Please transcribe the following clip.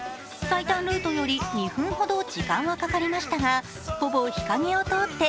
最短ルートより２分ほど時間はかかりましたがほぼ日陰を通って